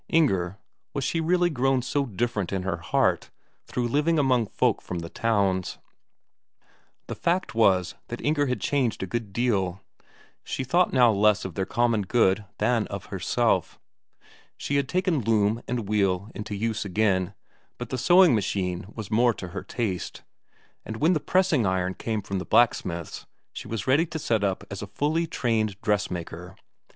Inger was she really grown so different in her heart through living among folk from the towns? The fact was that Inger had changed a good deal; she thought now less of their common good than of herself. She had taken loom and wheel into use again, but the sewing machine was more to her taste; and when the pressing iron came up from the blacksmith's, she was ready to set up as a fully trained dressmaker.